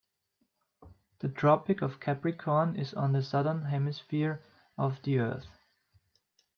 The Tropic of Capricorn is on the Southern Hemisphere of the earth.